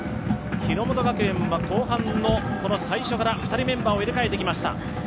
日ノ本学園は後半の最初から２人、メンバーを入れ替えてきました。